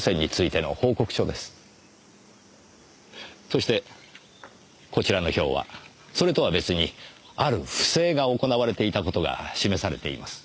そしてこちらの表はそれとは別にある不正が行われていた事が示されています。